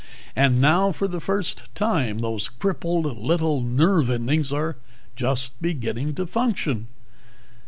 And now for the first time those crippled little nerve endings are just beginning to function."